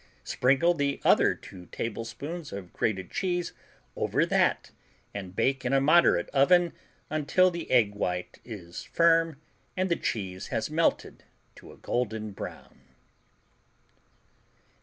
Sprinkle the other 2 tablespoons of grated cheese over that and bake in moderate oven until the egg white is firm and the cheese has melted to a golden brown.